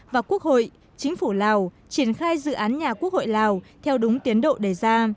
và quốc hội chính phủ lào triển khai dự án nhà quốc hội lào theo đúng tiến độ đề ra